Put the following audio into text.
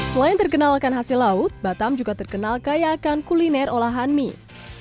selain terkenalkan hasil laut batam juga terkenal kaya akan kuliner olahan mie